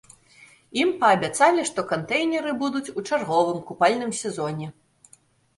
Ім паабяцалі, што кантэйнеры будуць у чарговым купальным сезоне.